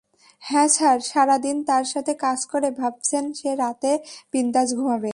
হ্যাঁ স্যার, সারাদিন তার সাথে কাজ করে, ভাবছেন সে রাতে বিন্দাস ঘুমাবে।